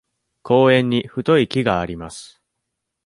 公園に太い木があります。